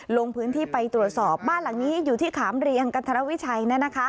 ลงพื้นที่ไปตรวจสอบบ้านหลังนี้อยู่ที่ขามเรียงกันธรวิชัย